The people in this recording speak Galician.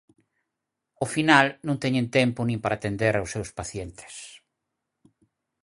Ao final non teñen tempo nin para atender os seus pacientes.